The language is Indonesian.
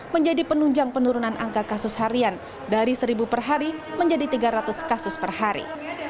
menjadi penunjang penurunan angka kasus harian dari seribu per hari menjadi tiga ratus kasus per hari